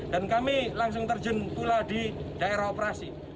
dan kami langsung terjun pula di daerah operasi